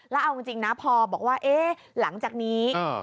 แล้วเอาจริงนะพอบอกว่าเอ๊ะหลังจากนี้